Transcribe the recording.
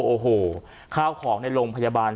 โอ้โหข้าวของในโรงพยาบาล